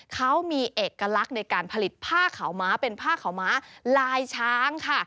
เขามีเอกลักษณ์ในการผลิตผ้าขาวม้าเป็นผ้าขาวม้าลายช้างค่ะ